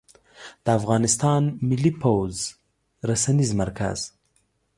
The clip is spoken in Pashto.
د افغانستان ملى پوځ رسنيز مرکز